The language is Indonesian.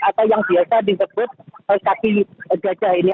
atau yang biasa disebut kaki gajah ini